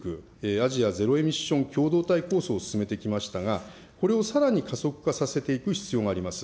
・アジア・ゼロエミッション共同体構想を進めてきましたが、これをさらに加速化させていく必要があります。